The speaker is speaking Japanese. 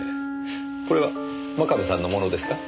これは真壁さんのものですか？